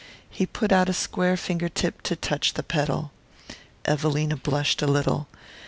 He put out a square finger tip to touch the petal. Evelina blushed a little.